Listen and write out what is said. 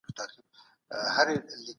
د سردرد لومړنۍ نښې باید ثبت شي.